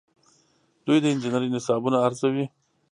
دوی د انجنیری نصابونه ارزوي.